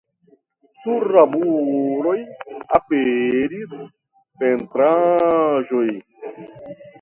Sur la muroj aperis pentraĵoj.